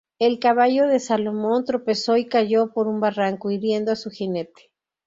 El caballo de Salomón tropezó y cayó por un barranco, hiriendo a su jinete.